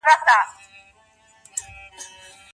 د ښه عادت تاييدول ولي مهم دي؟